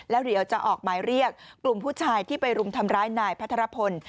แล้วเดี๋ยวจะออกหมายเรียกกลุ่มผู้ชายที่ไปรุมทำร้ายนายพัทรพล